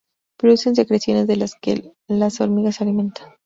Producen secreciones de las que las hormigas se alimentan.